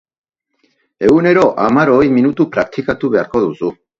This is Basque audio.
Egunero hamar-hogei minutu praktikatu beharko duzu.